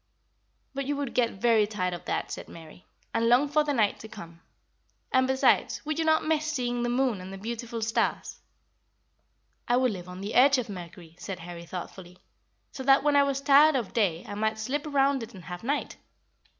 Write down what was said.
"But you would get very tired of that," said Mary, "and long for the night to come. And, besides, would you not miss seeing the moon and the beautiful stars?" "I would live on the edge of Mercury," said Harry thoughtfully, "so that when I was tired of day I might slip around it and have night.